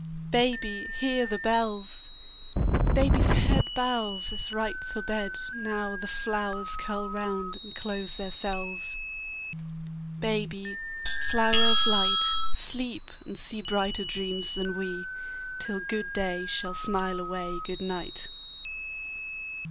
Baby, hear the bells! Baby's head Bows, as ripe for bed, Now the flowers curl round and close their cells. Baby, flower of light, Sleep, and see Brighter dreams than we, Till good day shall smile away good night.